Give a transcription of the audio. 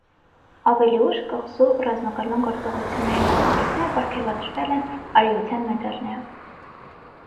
Ավելի ուշ կղզու ռազմակալման գործողությունների մասնակիցները պարգևատրվել են արիության մեդալներով։